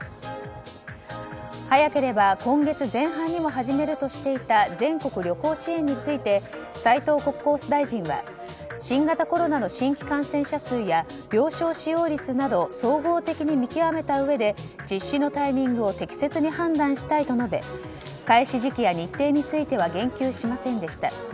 早ければ今月前半にも始めるとしていた全国旅行支援について斉藤国交大臣は新型コロナの新規感染者数や病床使用率など総合的に見極めたうえで実施のタイミングを適切に判断したいと述べ開始時期や日程については言及しませんでした。